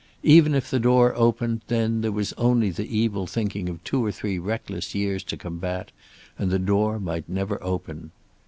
Even if the door opened, then, there was only the evil thinking of two or three reckless years to combat, and the door might never open.